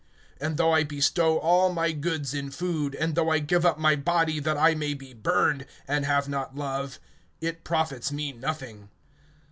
(3)And though I bestow all my goods in food, and though I give up my body that I may be burned, and have not love, it profits me nothing.